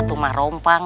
aku sama rumpang